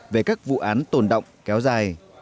về các vụ án tồn động kéo dài